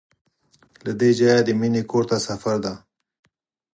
له دې ځایه د مینې کور ته سفر دی.